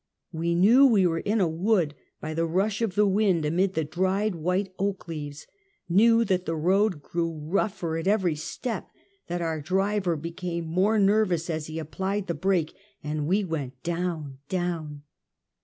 We knew we were in a wood, by the rush of the wind amid the dried white oak leaves — knew that the road grew rougher at every step — that our driver became more nervous as he applied the brake, and we went down, down.